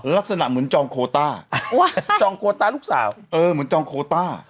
ลักษณะเหมือนจองโคต้าจองโคต้าลูกสาวเออเหมือนจองโคต้า